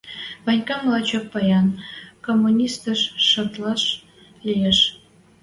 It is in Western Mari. Ванькам лачок паян коммунистеш шотлаш лиэш.